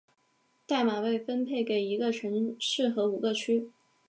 代码被分配给一个城市和五个区。